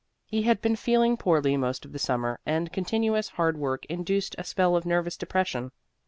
He had been feeling poorly most of the summer, and continuous hard work induced a spell of nervous depression.